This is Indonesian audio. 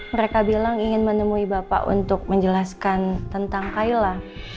mereka bilang ingin menemui bapak untuk menjelaskan tentang kaila